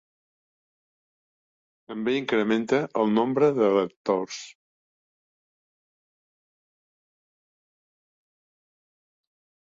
També incrementa el nombre de lectors.